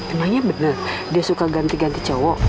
emangnya benar dia suka ganti ganti cowok